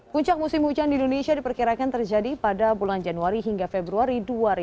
puncak musim hujan di indonesia diperkirakan terjadi pada bulan januari hingga februari dua ribu dua puluh